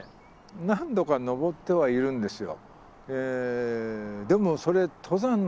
何度か登ってはいるんですよ。